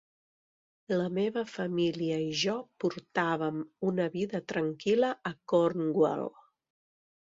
La meva família i jo portàvem una vida tranquil·la a Cornwall.